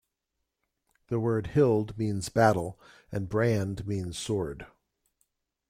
The word "hild" means "battle" and "brand" means "sword".